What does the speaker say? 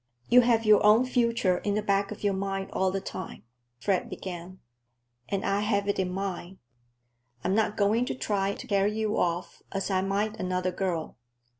"You have your own future in the back of your mind all the time," Fred began, "and I have it in mine. I'm not going to try to carry you off, as I might another girl.